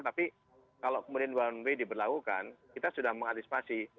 tapi kalau kemudian one way diberlakukan kita sudah mengantisipasi